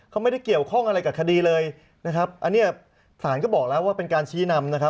เขาไม่ได้เกี่ยวข้องอะไรกับคดีเลยนะครับอันนี้ศาลก็บอกแล้วว่าเป็นการชี้นำนะครับ